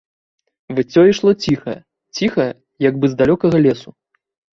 Выццё ішло ціхае, ціхае, як бы з далёкага лесу.